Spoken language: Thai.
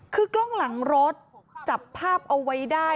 คือกล้องหลังรถจับภาพเอาไว้ได้